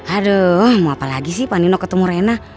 aduh mau apalagi sih panino ketemu rena